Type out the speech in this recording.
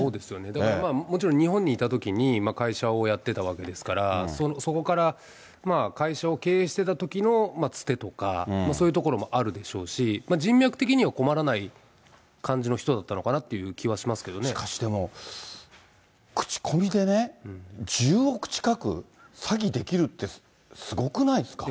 だからまあ、もちろん日本にいたときに会社をやってたわけですから、そこから会社を経営してたときのつてとか、そういうところもあるでしょうし、人脈的には困らない感じの人だったのかなという気はしますけれどしかしでも、口コミでね、１０億近く詐欺できるってすごくないですか。